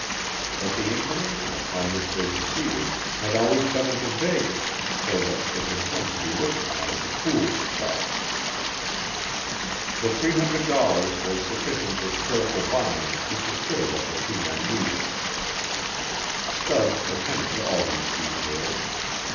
But the information upon which they proceeded had always been of the vaguest so that it had come to be looked upon as a fool's quest. The three hundred dollars was sufficient with careful buying to secure what the two men needed. Stubbs attended to all these details.